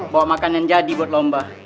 bawa makanan jadi buat lomba